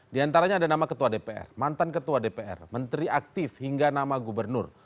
di antaranya ada nama ketua dpr mantan ketua dpr menteri aktif hingga nama gubernur